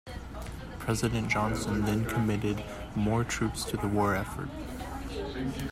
President Johnson then committed more troops to the war effort.